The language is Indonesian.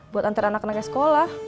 buat antar anak anaknya sekolah